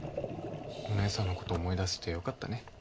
お姉さんのこと思い出せてよかったね。